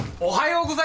おはよう。